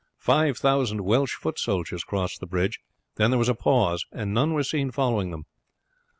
Five thousand Welsh foot soldiers crossed the bridge, then there was a pause, and none were seen following them.